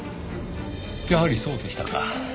やはりそうでしたか。